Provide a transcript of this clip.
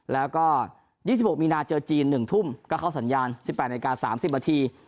แล้วก็๒๖มีนาเจอจีน๑ทุ่มก็เข้าสัญญาณ๑๘นาที๓๐นาที